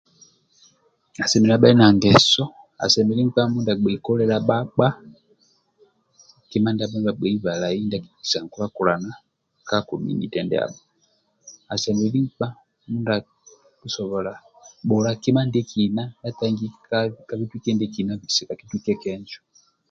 Asemeli abhe na ngeso, asemeli nkpa mindia agbei kolilia bhakpa kima ndiabho ndiabhagbei balai ndia akibikisa nkulakulana ka komyunite ndiabho, asemeli nkpa mindia akisobhola bhula kima ndiekina ndia atangi ka ka kitwike ndiekina bikisai ka kitwike kenjo